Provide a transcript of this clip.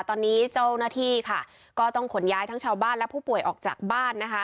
ตอนนี้เจ้าหน้าที่ค่ะก็ต้องขนย้ายทั้งชาวบ้านและผู้ป่วยออกจากบ้านนะคะ